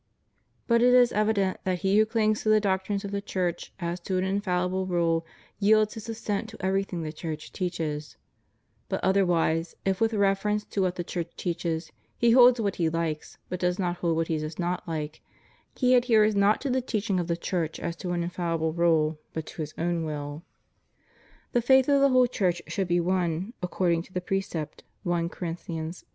Now it is evident that he who clings to the doctrines of the Church as to an infallible rule yields his assent to everything the Church teaches; but otherwise, if with reference to what the Church teaches he holds what he hkes, but does not hold what he does not like, he adheres not to the teaching of the Church as to an infallible rule, but to his own will." * "The faith of the whole Church should be one, according to the precept (1 Corinthians i.